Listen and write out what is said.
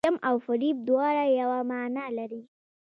چم او فریب دواړه یوه معنی لري.